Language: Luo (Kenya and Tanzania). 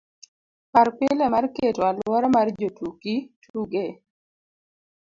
par pile mar keto aluora mar jotuki tuge